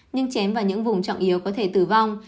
nhưng chém vào những vùng trọng yếu có thể tử vong